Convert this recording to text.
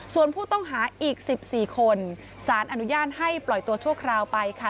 ส่วนผู้ต้องหาอีก๑๔คนสารอนุญาตให้ปล่อยตัวชั่วคราวไปค่ะ